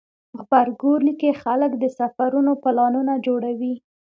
غبرګولی کې خلک د سفرونو پلانونه جوړوي.